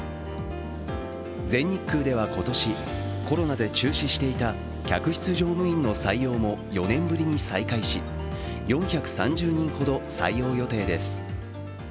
全日空では今年コロナで中止していた客室乗務員の採用も４年ぶりに再開し、４３０人ほど採用予定です。